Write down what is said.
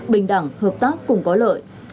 bình đẳng hợp tác cùng có lợi